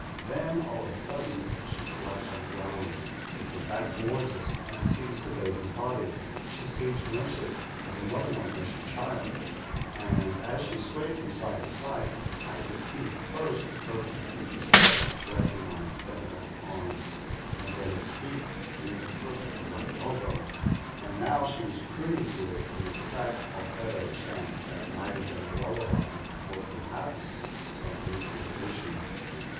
Then, all of a sudden, she collapsed on the ground, with her back toward us, and seized the baby's body. She seemed to nurse it, as a mother might nurse her child; and as she swayed from side to side, I could see first the curve of the creature's head, resting on her thin left arm, and then its feet near the crook of her right elbow. And now she was crooning to it in a cracked false+to chant that might have been a lullaby or perhaps some incantation.